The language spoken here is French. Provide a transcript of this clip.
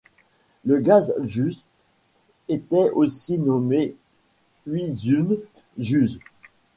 La Grande jüz était aussi nommée Uysun jüz.